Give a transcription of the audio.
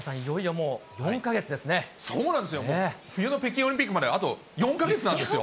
もう冬の北京オリンピックまであと４か月なんですよ。